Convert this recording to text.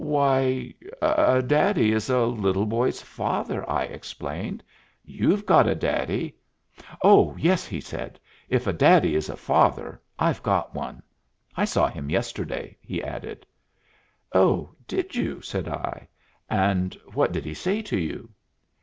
"Why, a daddy is a little boy's father," I explained. "You've got a daddy " "Oh, yes," he said. "If a daddy is a father, I've got one. I saw him yesterday," he added. "Oh, did you?" said I. "And what did he say to you?"